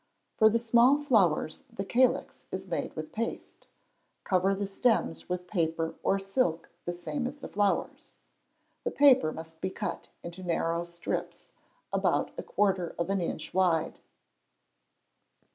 For the small flowers the calyx is made with paste. Cover the stems with paper or silk the same as the flowers; the paper must be cut in narrow strips, about a quarter of an inch wide.